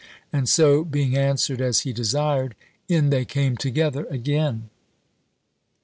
And so being answered as he desired, in they came together again.